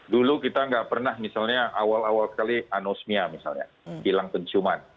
dulu kita nggak pernah misalnya awal awal sekali anosmia misalnya hilang penciuman